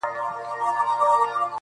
پیدا کړي خدای له اصله ظالمان یو-